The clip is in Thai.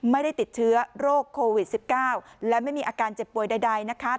ไม่ได้ติดเชื้อโรคโควิด๑๙และไม่มีอาการเจ็บป่วยใดนะคะ